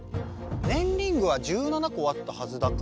ねんリングは１７こあったはずだから。